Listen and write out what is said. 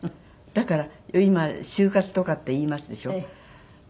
だから今終活とかっていいますでしょ？